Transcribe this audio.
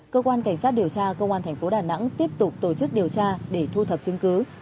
cơ quan cảnh sát điều tra công an thành phố đà nẵng tiếp tục tổ chức điều tra để thu thập chứng cứ